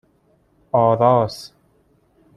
آراس